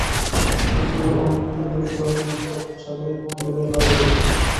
এই দূর অনেকখানি দূর গ্রহ-নক্ষত্র ছাড়িয়ে দূরে, আরো দূরে।